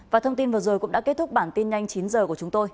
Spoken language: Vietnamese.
và thông tin vừa rồi cũng đã kết thúc bản tin nhanh chín h của chúng tôi